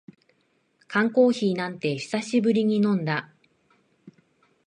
缶コーヒーなんて久しぶりに飲んだ